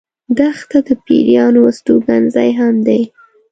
دښته د پېرانو استوګن ځای هم دی.